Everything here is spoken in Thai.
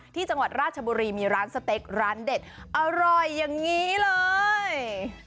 ที่จังหวัดราชบุรีมีร้านสเต็กร้านเด็ดอร่อยอย่างนี้เลย